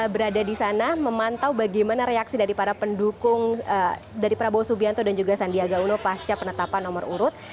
berada di sana memantau bagaimana reaksi dari para pendukung dari prabowo subianto dan juga sandiaga uno pasca penetapan nomor urut